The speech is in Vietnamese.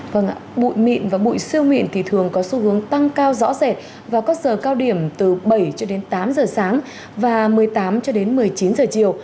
vâng bụi mịn và bụi siêu mịn thì thường có xu hướng tăng cao rõ rệt vào các giờ cao điểm từ bảy cho đến tám giờ sáng và một mươi tám cho đến một mươi chín giờ chiều